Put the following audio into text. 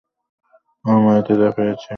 আলমারিতে যা পেয়েছি, পরেছি।